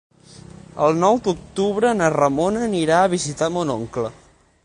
El nou d'octubre na Ramona anirà a visitar mon oncle.